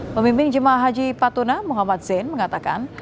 pemimpin jemaah haji patuna muhammad zain mengatakan